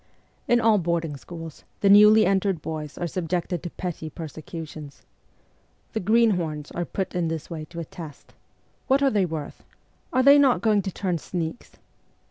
In all boarding schools the newly entered boys are subjected to petty persecutions. The ' greenhorns ' are put in this way to a test. What are they worth ? Are they not going to turn ' sneaks